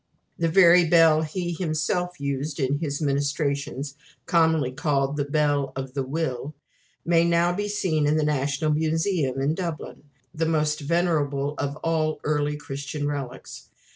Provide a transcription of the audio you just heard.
The very bell he himself used in his ministrations commonly called "The Bell of the Will" may now be seen in the National Museum in Dublin the most venerable of all our early Christian relics.